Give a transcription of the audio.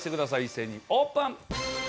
一斉にオープン。